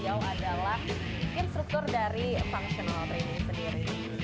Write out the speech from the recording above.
jauh adalah instruktur dari functional training sendiri